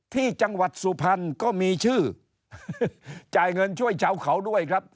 ที่จังหวัดสุพรรณก็มีชื่อจ่ายเงินช่วยชาวเขาด้วยครับ